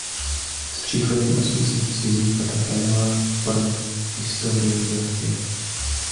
S příchodem osvícenství vznikla také nová forma historiografie.